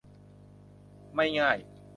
ไม่ง่าย